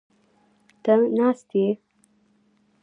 ته ناست یې؟